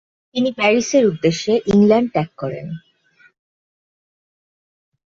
তিনি প্যারিসের উদ্দেশ্যে ইংল্যান্ড ত্যাগ করেন।